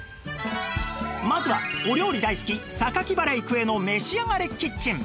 まずはお料理大好き榊原郁恵の「めしあがれキッチン」